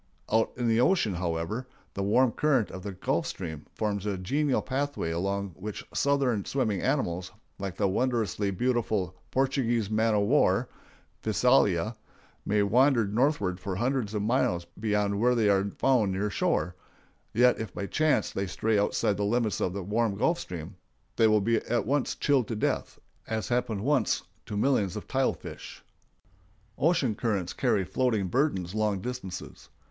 Out in the ocean, however, the warm current of the Gulf Stream forms a genial pathway along which southern swimming animals, like the wondrously beautiful Portuguese man o' war (Physalia), may wander northward for hundreds of miles beyond where they are found near shore; yet if by chance they stray outside the limits of the warm Gulf Stream, they will at once be chilled to death, as happened once to millions of tile fish. Ocean currents carry floating burdens long distances.